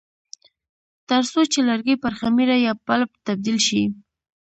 ترڅو چې لرګي پر خمیره یا پلپ تبدیل شي.